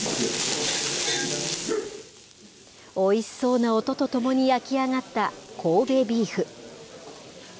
おいしそうな音とともに焼き上がった神戸ビーフ。